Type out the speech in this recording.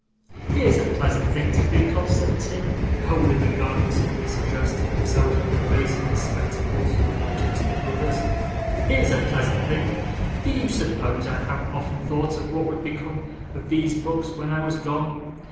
'Here's a pleasant thing to think of!' said Tim, wholly regardless of this address to himself, and raising his spectacles from the ledger to the brothers. 'Here's a pleasant thing. Do you suppose I haven't often thought of what would become of these books when I was gone?